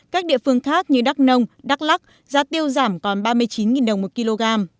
các địa phương khác như đắk nông đắk lắc giá tiêu giảm còn ba mươi chín đồng một kg